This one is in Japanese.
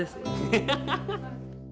ハハハハ！